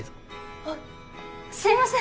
あすいません！